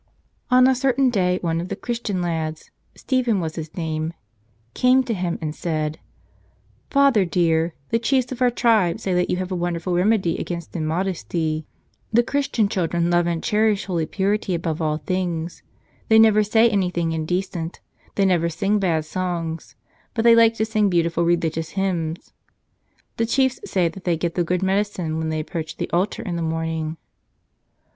On a certain day one of the Christian lads — Stephen was his name — came to him and said, "Father dear, the chiefs of our tribe say that you have a wonderful remedy against immodesty. The Christian children love and cherish holy purity above all things; they never say anything indecent ; they never sing bad songs. But they like to sing beautiful religious hymns. The chiefs say that they get the good medicine when they approach the altar rail in the morning."